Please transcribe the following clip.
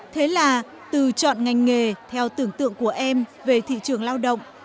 thế là từ chọn ngành nghề theo tưởng tượng của em về thị trường lao động